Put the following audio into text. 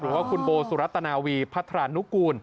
หรือว่าคุณโบสุรัตนาวีพัฒรานุกูล